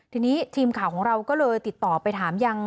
ทีนี้ทีมข่าวของเราก็เลยติดต่อไปถามยัง